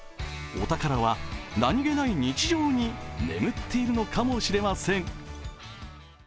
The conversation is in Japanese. お宝は何気ない日常に眠っているのかもしれません。